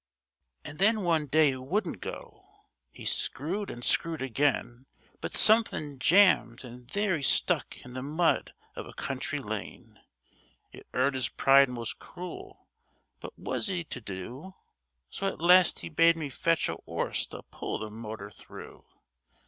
An' then one day it wouldn't go. 'E screwed and screwed again, But somethin' jammed, an' there 'e stuck in the mud of a country lane. It 'urt 'is pride most cruel, but what was 'e to do? So at last 'e bade me fetch a 'orse to pull the motor through.